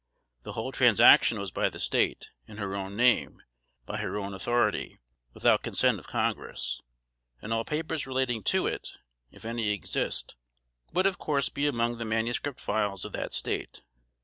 The whole transaction was by the State, in her own name, by her own authority, without consent of Congress, and all papers relating to it, if any exist, would of course be among the manuscript files of that State.